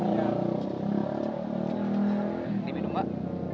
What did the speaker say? ini minum mbak